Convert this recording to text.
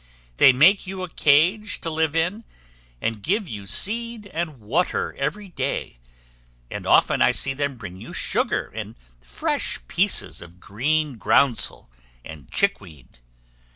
"They make you a cage to live in, and give you seed and water every day; and often I see them bring you sugar, and fresh pieces of green groundsel and chickweed.